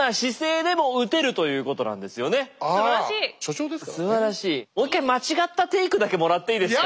もう一回間違ったテークだけもらっていいですか？